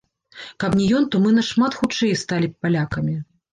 Каб не ён, то мы нашмат хутчэй сталі б палякамі.